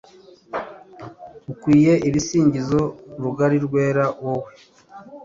ukwiye ibisingizo rugori rwera, wowe